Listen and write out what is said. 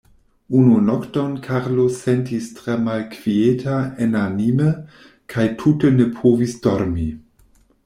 Unu nokton Karlo sentis tre malkvieta enanime, kaj tute ne povis dormi.